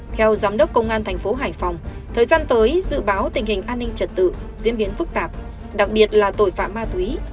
theo giám đốc công an thành phố hải phòng thời gian tới dự báo tình hình an ninh trật tự diễn biến phức tạp đặc biệt là tội phạm ma túy